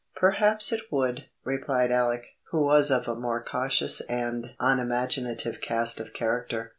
"Perhaps it would," replied Alec, who was of a more cautious and unimaginative cast of character.